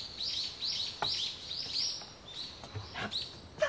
やった！